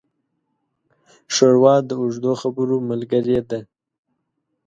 ښوروا د اوږدو خبرو ملګري ده.